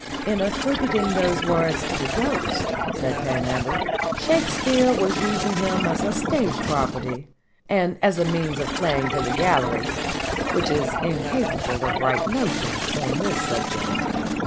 "In attributing those words to the Ghost," said Panhandle, "Shakespeare was using him as a stage property and as a means of playing to the gallery, which is incapable of right notions on this subject.